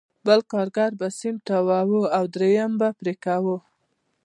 بل کارګر به سیم تاواوه او درېیم به پرې کاوه